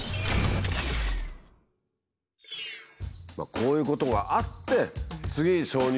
こういうことがあって次鍾乳